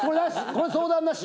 これ相談なし！